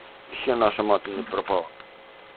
Ще наша мати не пропала.